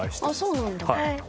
そうなんだ。